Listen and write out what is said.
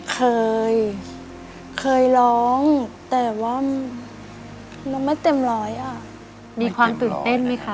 เคยเคยร้องแต่ว่าเราไม่เต็มร้อยอ่ะมีความตื่นเต้นไหมคะ